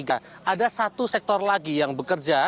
ada satu sektor lagi yang bekerja